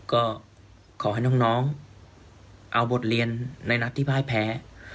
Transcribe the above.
ก็ขอให้น้องเอาบทเรียนในนัดที่พ่ายแพ้